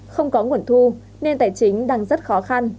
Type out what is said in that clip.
không có nguồn thu nên tài chính đang rất khó khăn